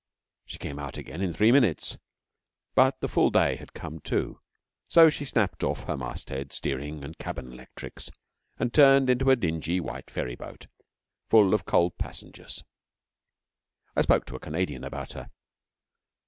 She came out again in three minutes, but the full day had come too; so she snapped off her masthead, steering and cabin electrics, and turned into a dingy white ferryboat, full of cold passengers. I spoke to a Canadian about her.